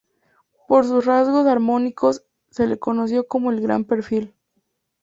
Por sus rasgos armónicos, se lo conoció como "El gran perfil".